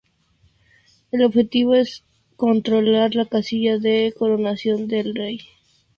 El objetivo es controlar la casilla de coronación con el rey.